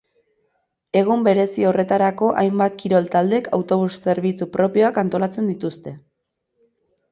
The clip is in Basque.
Egun berezi horretarako hainbat kirol taldek autobus-zerbitzu propioak antolatzen dituzte.